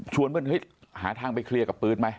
เพื่อนเฮ้ยหาทางไปเคลียร์กับปื๊ดไหม